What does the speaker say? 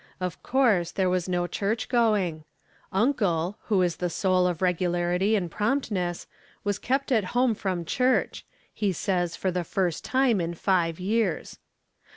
Of course there was no church going. Uncle, who is the soul of regu larity and promptness, was kept at home from church — ^he says for the first time in five years.